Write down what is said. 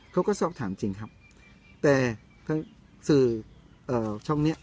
เขาก็สอบถามจริงครับแต่ทั้งสื่อช่องเนี้ย